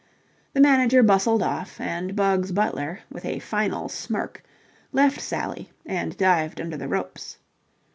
The manager bustled off, and Bugs Butler, with a final smirk, left Sally and dived under the ropes.